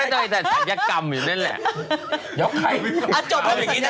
ถาดูสิยังไม่จบ